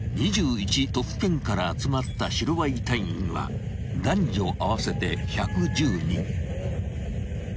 都府県から集まった白バイ隊員は男女合わせて１１０人］